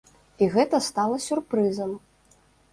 І гэта стала сюрпрызам.